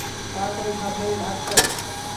তারাতাড়ি submarine আটকাও।